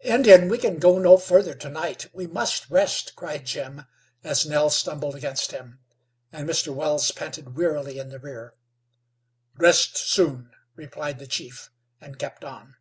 "Indian, we can go no further to night, we must rest," cried Jim, as Nell stumbled against him, and Mr. Wells panted wearily in the rear. "Rest soon," replied the chief, and kept on.